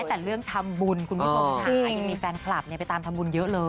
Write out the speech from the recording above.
พรภลิขิตกับวัดนะครับ